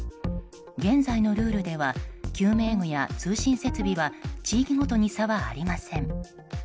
現在のルールでは救命具や通信設備は地域ごとに差はありません。